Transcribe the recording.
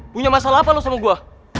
punya masalah apa lu sama gua